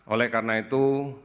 oleh karena itu